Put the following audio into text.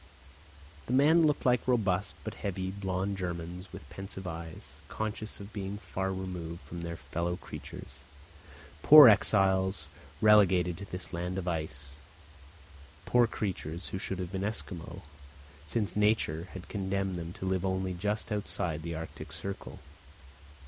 The men looked like robust but heavy, blond Germans with pensive eyes, conscious of being far removed from their fellow creatures, poor exiles relegated to this land of ice, poor creatures who should have been Esquimaux, since nature had condemned them to live only just outside the arctic circle!